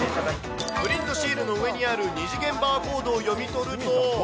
プリントシールの上にある二次元バーコードを読み取ると。